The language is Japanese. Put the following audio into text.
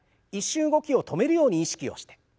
一瞬動きを止めるように意識をして。